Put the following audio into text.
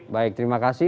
baik terima kasih